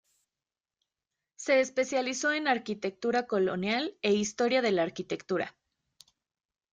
Se especializó en arquitectura colonial e historia de la arquitectura.